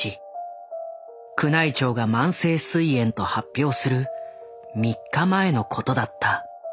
宮内庁が「慢性すい炎」と発表する３日前のことだった。